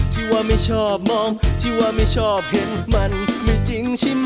ที่ว่าไม่ชอบมองที่ว่าไม่ชอบเห็นมันไม่จริงใช่ไหม